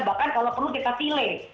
bahkan kalau perlu kita pilih